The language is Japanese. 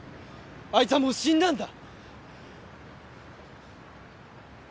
あいつはもう死んだんだ！